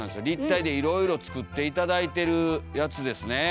立体でいろいろ作って頂いてるやつですね。